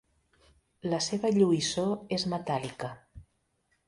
La seva lluïssor és metàl·lica.